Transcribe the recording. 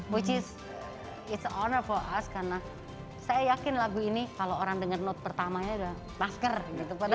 which is honor for us karena saya yakin lagu ini kalau orang denger note pertamanya udah masker gitu